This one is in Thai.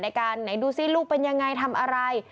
ไหนดูสิลูกเป็นยังไงทำอะไร